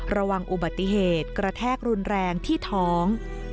ระวังอุบัติเหตุกระแทกรุนแรงที่ท้อง